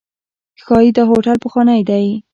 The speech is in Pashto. ښایي دا هوټل پخوانی دی.